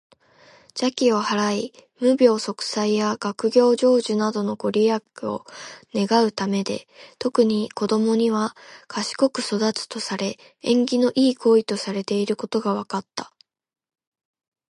邪気を払い、無病息災や学業成就などのご利益を願うためで、特に子どもには「賢く育つ」とされ、縁起の良い行為とされていることが分かった。